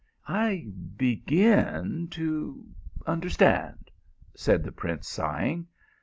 " I begin to understand !" said the prince sigh ing.